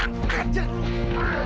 enggak aku akan lepasin